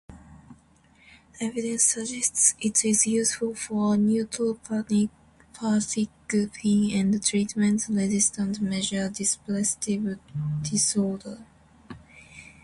Evidence suggests it is useful for neuropathic pain and treatment-resistant major depressive disorder.